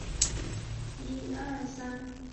健全医疗制度